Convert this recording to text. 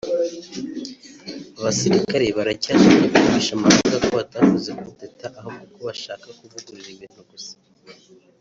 Abasirikare baracyashaka kumvisha amahanga ko batakoze kudeta ahubwo ko bashaka kuvugurura ibintu gusa